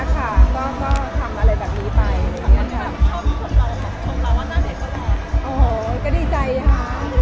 ก็ชอบที่เป็นคนรอชมพูดว่าชอบตาแกะก็รอ